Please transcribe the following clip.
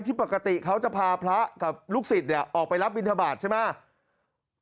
ปกติเขาจะพาพระกับลูกศิษย์ออกไปรับบินทบาทใช่ไหม